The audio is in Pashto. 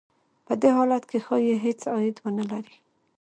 په دې حالت کې ښايي هېڅ عاید ونه لري